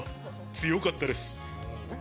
強かったです。